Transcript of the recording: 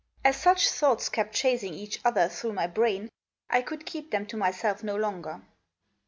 As such thoughts kept chasing each other through my brain I could keep them to myself no longer.